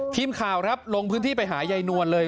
ทีมข่าวครับลงพื้นที่ไปหายายนวลเลย